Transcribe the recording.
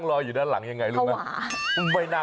เอ้ยฉันรึเปล่า